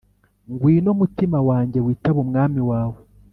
Ngwino, mutima wanjye, Witab' Umwami wawe !